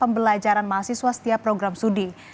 pembelajaran mahasiswa setiap program studi